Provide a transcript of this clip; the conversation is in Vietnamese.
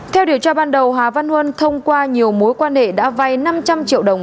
theo điều tra ban đầu hà văn huân thông qua nhiều mối quan hệ đã vay năm trăm linh triệu đồng